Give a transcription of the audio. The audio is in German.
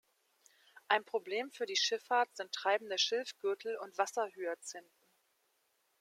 Ein Problem für die Schifffahrt sind treibende Schilfgürtel und Wasserhyazinthen.